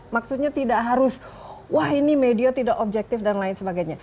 maksudnya tidak harus wah ini media tidak objektif dan lain sebagainya